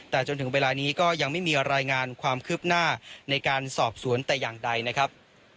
แต่จนถึงเวลานี้ก็ยังไม่มีรายงานความคืบหน้าในการสอบสวนแต่อย่างใดนะครับ